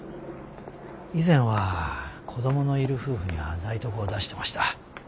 以前は子供のいる夫婦にはザイトクを出してました。